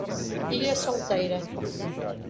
Ilha Solteira